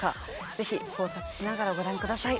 ぜひ考察しながらご覧ください。